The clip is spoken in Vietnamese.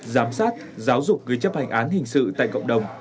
giám sát giáo dục người chấp hành án hình sự tại cộng đồng